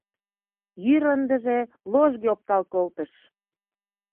Йӱр ындыже ложге оптал колтыш.